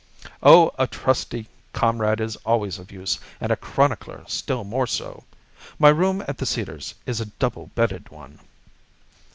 "Oh, a trusty comrade is always of use; and a chronicler still more so. My room at The Cedars is a double bedded one."